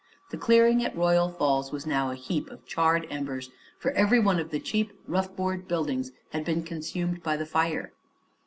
The clearing at Royal Falls was now a heap of charred embers, for every one of the cheap, rough board buildings had been consumed by the fire.